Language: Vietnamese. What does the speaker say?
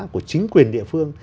của chính quyền địa phương